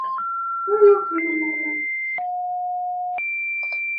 Joaquim Claret destacó en la creación de esculturas de pequeño formato, generalmente femeninas.